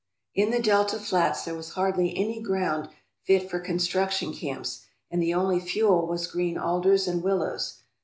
In the delta flats there was hardly any ground fit for construction camps and the only fuel was green alders and willows.